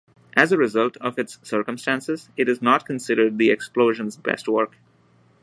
As a result of its circumstances, it is not considered The Explosion's best work.